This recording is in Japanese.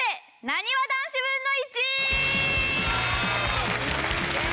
なにわ男子分の１！